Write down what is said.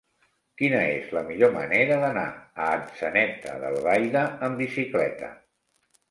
Quina és la millor manera d'anar a Atzeneta d'Albaida amb bicicleta?